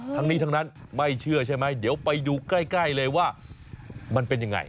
ทั้งนี้ทั้งนั้นไม่เชื่อใช่ไหมเดี๋ยวไปดูใกล้เลยว่ามันเป็นยังไง